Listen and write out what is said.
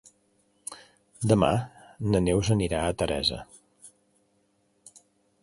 Demà na Neus anirà a Teresa.